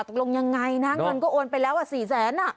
ตกลงยังไงนะเงินก็โอนไปแล้ว๔แสน